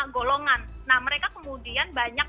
golongan mereka kemudian banyak